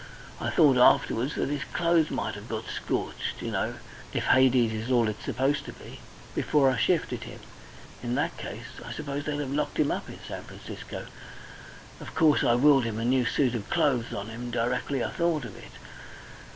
I thought afterwards that his clothes might have got scorched, you know if Hades is all it's supposed to be before I shifted him. In that case I suppose they'd have locked him up in San Francisco. Of course I willed him a new suit of clothes on him directly I thought of it.